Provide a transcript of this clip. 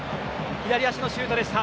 左足のシュートでした。